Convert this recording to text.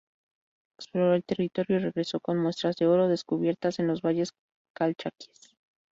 Exploró el territorio y regresó con muestras de oro descubiertas en los Valles Calchaquíes.